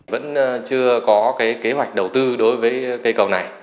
vẫn chưa có kế hoạch đầu tư đối với cây cầu này